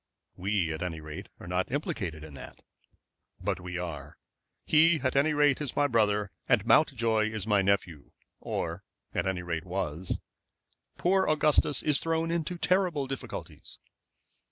"We at any rate are not implicated in that." "But we are. He at any rate is my brother, and Mountjoy is my nephew, or at any rate was. Poor Augustus is thrown into terrible difficulties."